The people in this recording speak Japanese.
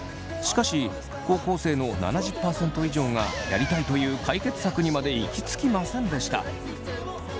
しかし高校生の７０％以上がやりたいという解決策にまで行き着きませんでした。